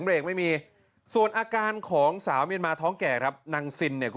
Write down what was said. นี่นี่นี่นี่นี่นี่นี่นี่นี่นี่นี่นี่นี่